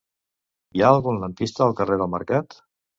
Hi ha algun lampista al carrer del Mercat?